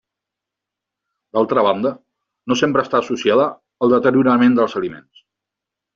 D'altra banda, no sempre està associada al deteriorament dels aliments.